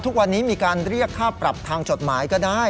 ทุกวันนี้มีการเรียกค่าปรับทางจดหมายก็ได้